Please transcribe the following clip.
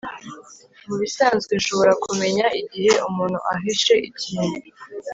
Mubisanzwe nshobora kumenya igihe umuntu ahishe ikintu